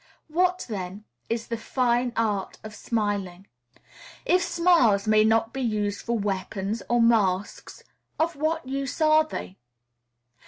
What, then, is the fine art of smiling? If smiles may not be used for weapons or masks, of what use are they?